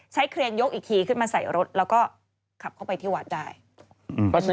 เครนยกอีกทีขึ้นมาใส่รถแล้วก็ขับเข้าไปที่วัดได้อืม